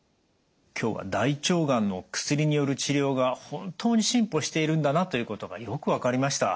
今日は大腸がんの薬による治療が本当に進歩しているんだなということがよく分かりました。